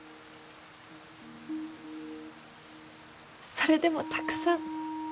それでもたくさん